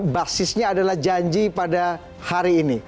basisnya adalah janji pada hari ini